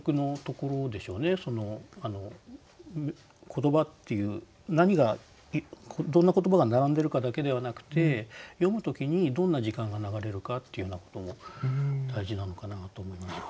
言葉っていう何がどんな言葉が並んでるかだけではなくて読む時にどんな時間が流れるかっていうようなことも大事なのかなと思いますね。